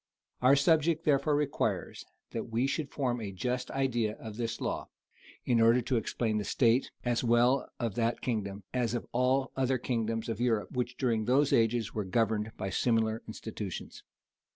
Our subject therefore requires that we should form a just idea of this law, in order to explain the state, as well of that kingdom, as of all other kingdoms of Europe, which during those ages were governed by similar institutions.